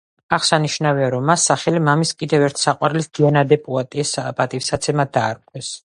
აღსანიშნავია, რომ მას სახელი მამის კიდევ ერთი საყვარლის, დიანა დე პუატიეს პატივსაცემად დაარქვეს.